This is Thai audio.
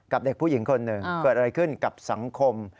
เด็กผู้หญิงคนหนึ่งเกิดอะไรขึ้นกับสังคม